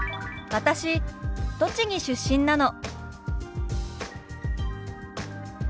「私栃木出身なの」。